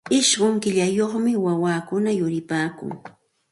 Ishqun killayuqmi wawakuna yuripaakun.